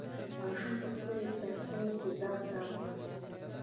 ماشوم په خپلې بړستنې کې ځان تاو کړ.